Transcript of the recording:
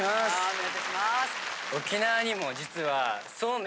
お願い致します。